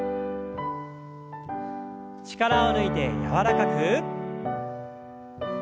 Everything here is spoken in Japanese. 力を抜いて柔らかく。